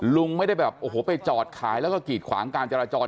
ลุงไม่ได้แบบโอ้โหไปจอดขายแล้วก็กีดขวางการจราจร